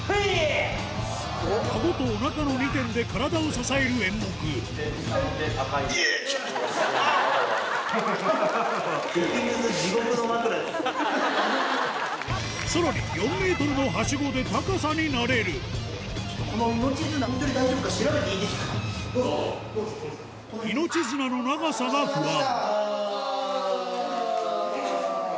顎とおなかの２点で体を支える演目さらに４ｍの梯子で高さに慣れる命綱の長さが不安